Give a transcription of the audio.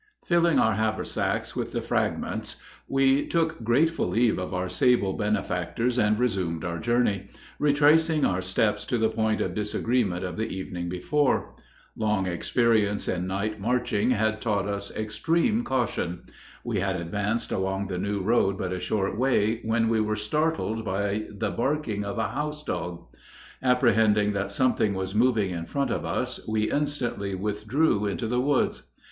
] Filling our haversacks with the fragments, we took grateful leave of our sable benefactors and resumed our journey, retracing our steps to the point of disagreement of the evening before. Long experience in night marching had taught us extreme caution. We had advanced along the new road but a short way when we were startled by the barking of a house dog. Apprehending that something was moving in front of us, we instantly withdrew into the woods.